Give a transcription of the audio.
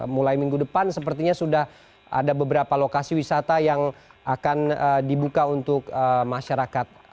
mulai minggu depan sepertinya sudah ada beberapa lokasi wisata yang akan dibuka untuk masyarakat